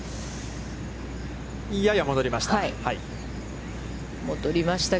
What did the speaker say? やや戻りました。